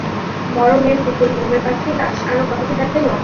বড় মেম-পুতুল, মোমের পাখি, গাছ, আরও কত-কি দেখাইল।